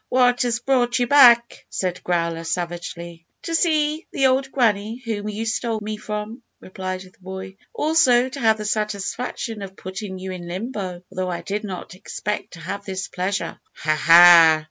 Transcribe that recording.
"What has brought you back?" said Growler, savagely. "To see the old granny whom you stole me from," replied the boy. "Also, to have the satisfaction of puttin' you in limbo; although I did not expect to have this pleasure." "Ha! ha!"